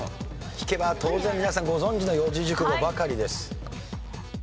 聞けば当然皆さんご存じの四字熟語ばかりです。